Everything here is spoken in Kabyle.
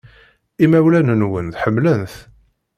Imawlan-nwen ḥemmlen-t.